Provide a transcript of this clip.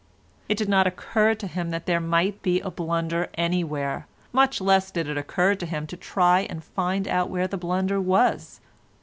It did not occur to him that there might be a blunder anywhere, much less did it occur to him to try and find out where the blunder was.